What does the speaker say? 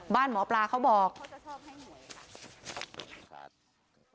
บ้านหมอปลาเขาบอกเขาจะชอบให้หวยค่ะ